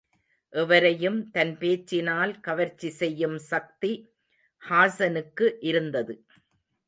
எவரையும், தன் பேச்சினால் கவர்ச்சி செய்யும் சக்தி ஹாஸனுக்கு இருந்தது.